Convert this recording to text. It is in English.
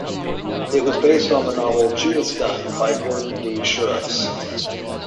It was based on the novel "Judas Gun" by Gordon D. Shirreffs.